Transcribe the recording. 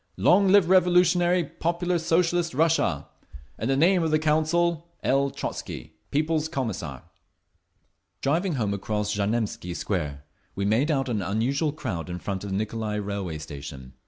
Long live revolutionary, popular, Socialist Russia! In the name of the Council, L. TROTZKY, People's Commissar…. Driving home across Znamensky Square, we made out an unusual crowd in front of the Nicolai Railway Station.